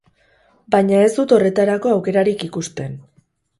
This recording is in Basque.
Baina ez dut horretarako aukerarik ikusten.